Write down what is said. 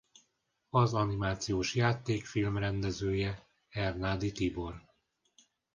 Az animációs játékfilm rendezője Hernádi Tibor.